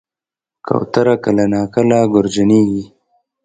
کوتره کله ناکله ګورجنیږي.